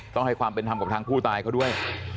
ต้องให้ความเป็นธรรมกับทางผู้ตายเขาด้วย